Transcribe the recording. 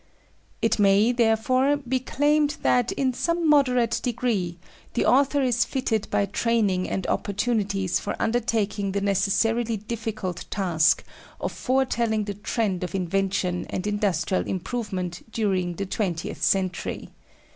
It may, therefore, be claimed that, in some moderate degree, the author is fitted by training and opportunities for undertaking the necessarily difficult task of foretelling the trend of invention and industrial improvement during the twentieth century.